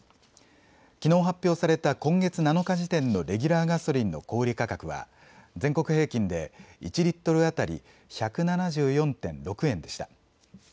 きのう発表された今月７日時点のレギュラーガソリンの小売価格は全国平均で１リットル当たり１７４．６円でした。